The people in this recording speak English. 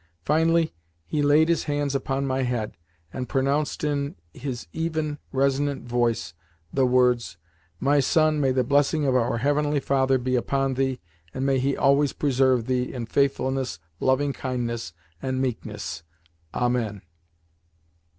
Finally he laid his hands upon my head, and pronounced in his even, resonant voice the words: "My son, may the blessing of Our Heavenly Father be upon thee, and may He always preserve thee in faithfulness, loving kindness, and meekness. Amen."